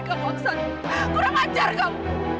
aku jadi orang yang kurang ajar kamu